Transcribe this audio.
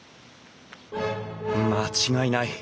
間違いない。